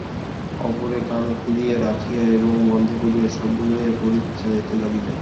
অপরে কান খুলিয়া রাখিয়া ও বন্ধ করিয়া, শব্দ লইয়া পরীক্ষা চালাইতে লাগিলেন।